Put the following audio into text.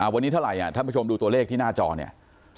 วันนี้เท่าไหร่ท่านผู้ชมดูตัวเลขที่หน้าจอเนี่ย